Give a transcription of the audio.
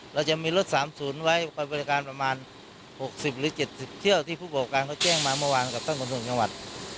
เราจะมีรถสามศูนย์ไว้บริการประมาณหกสิบหรือเจ็ดสิบเที่ยวที่ผู้บอกการเขาแจ้งมาเมื่อวานกับท่านคุณธุรกิจังหวัด